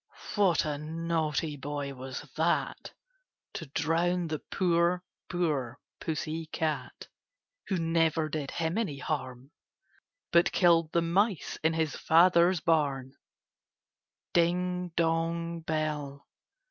What a naughty boy was that, To drown the poor, poor pussy cat. Who never did him any harm, But killed the mice in his father's bam. Ding, dong, bell